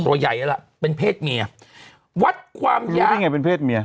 ตัวใหญ่ตัวแย่ละเป็นพภเมียหวัดความอยาก